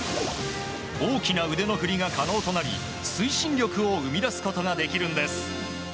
大きな腕の振りが可能となり推進力を生み出すことができるんです。